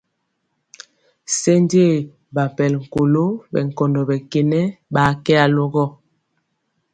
Senje ɓakpɛl kolo ɓɛ nkɔndɔ ɓɛ kenɛ ɓaa kɛ alogɔ.